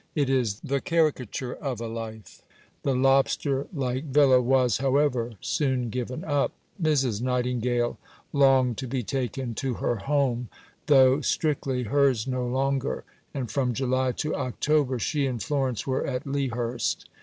It is the caricature of a life." The lobster like villa was, however, soon given up. Mrs. Nightingale longed to be taken to her home though, strictly, hers no longer, and from July to October she and Florence were at Lea Hurst.